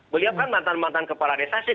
beliau kan mantan mantan kepala desa sih